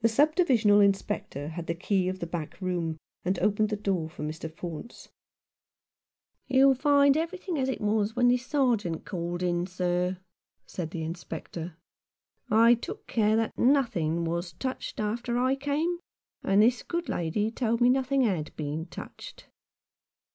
The sub divisional Inspector had the key of the back room, and opened the door for Mr. Faunce. "You'll find everything as it was when the Sergeant was called in, sir," said the Inspector. "I took care that nothing was touched after I came ; and this good lady told me nothing had been touched."